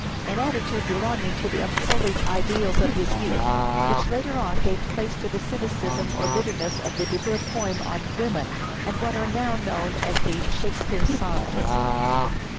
— an attitude belonging to the unsullied ideals of his youth, which later on gave place to the cynicism or bitterness of the De Vere poem on " Women," and of what are now known as the " Shakespeare Sonnets."